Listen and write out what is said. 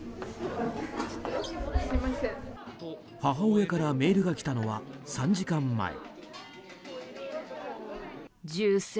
母親からメールが来たのは３時間前。